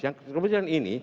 yang kebetulan ini